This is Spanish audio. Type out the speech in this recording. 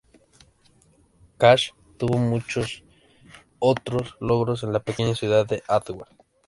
Cash tuvo muchos otros logros en la pequeña ciudad de Antwerp.